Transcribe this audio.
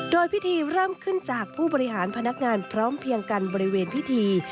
โดยพิธีเริ่มขึ้นจากผู้บริหารพนักงานพร้อมเพียงกันบริเวณพิธี